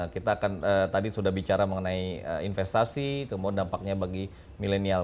kita akan tadi sudah bicara mengenai investasi kemudian dampaknya bagi milenial